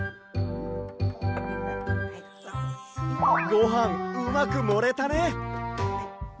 ごはんうまくもれたね。